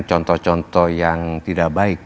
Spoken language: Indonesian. contoh contoh yang tidak baik